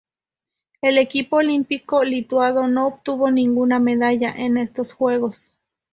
El equipo olímpico lituano no obtuvo ninguna medalla en estos Juegos.